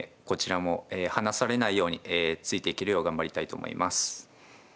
こちらも離されないようについていけるよう頑張りたいと思います。